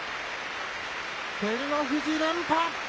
照ノ富士、連覇。